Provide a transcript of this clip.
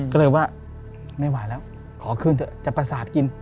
ก็เลยว่าไม่ไหวแล้วขอคืนเถอะจะประสาทกิน